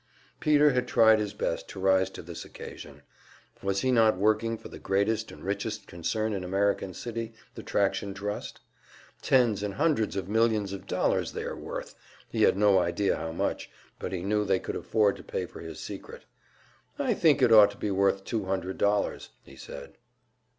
Peter had tried his best to rise to this occasion. Was he not working for the greatest and richest concern in American City, the Traction Trust? Tens and hundreds of millions of dollars they were worth he had no idea how much, but he knew they could afford to pay for his secret. "I think it ought to be worth two hundred dollars," he said.